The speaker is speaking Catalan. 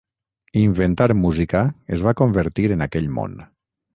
Inventar música es va convertir en aquell món.